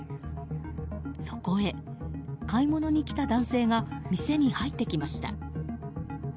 そこへ買い物に来た男性が店に入ってきました。